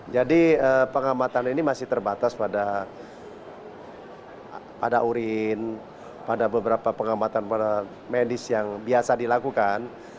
jadi pengamatan ini masih terbatas pada urin pada beberapa pengamatan medis yang biasa dilakukan